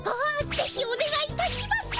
ぜひおねがいいたします。